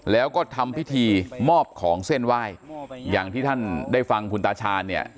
แล้วก็ทำพิธีมอบของเส้นไหว้อย่างที่ท่านได้ฟังคุณตาชาญเนี่ย